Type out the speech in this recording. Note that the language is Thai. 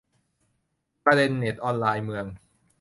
ประเด็นเน็ต ออนไลน์ เมือง